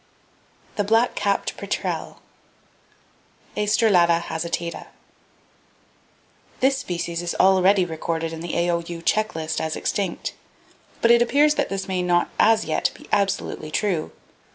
The Black Capped Petrel, (Aestrelata hasitata). —This species is already recorded in the A.O.U. "Check list" as extinct; but it appears that this may not as yet be absolutely true.